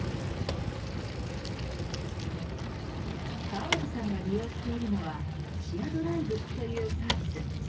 河本さんが利用しているのはチアドライブというサービス。